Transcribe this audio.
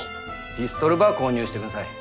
ピストルば購入してくんさい。